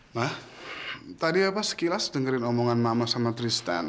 ma tadi apa sekilas dengerin omongan mama sama tristan